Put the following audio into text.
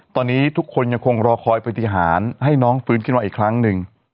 ตอนนี้ทุกคนยังคงรอคอยปฏิหารให้น้องฟื้นขึ้นมาอีกครั้งหนึ่ง